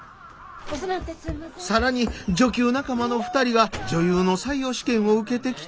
更に女給仲間の２人が女優の採用試験を受けてきて。